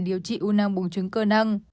để điều trị u năng bùng trứng cơ năng